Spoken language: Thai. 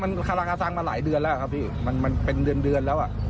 มันคลักษณะสร้างมาหลายเดือนแล้วครับพี่มันมันเป็นเดือนเดือนแล้วอ่ะ